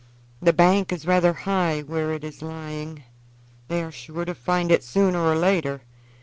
The bank is rather high where it is lying. They are sure to find it, sooner or later.